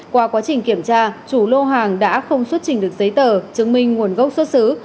qua quá trình kiểm tra chủ lô hàng đã không xuất trình được giấy tờ chứng minh nguồn gốc xuất xứ